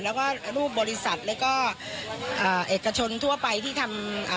แล้วก็รูปบริษัทแล้วก็อ่าเอกชนทั่วไปที่ทำอ่า